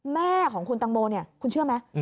แม่ของคุณตังโมเนี่ยคุณเชื่อไหม